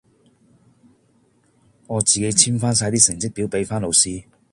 我自己簽返曬啲成績表俾返老師。